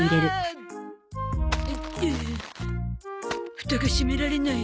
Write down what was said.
フタが閉められない。